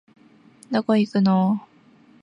どこ行くのお